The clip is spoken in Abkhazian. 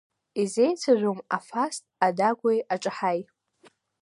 Изеицәажәом, афаст, адагәеи аҿаҳаи…